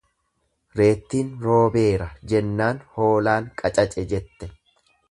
Reettiin Roobeera jennaan hoolaan qacace jette.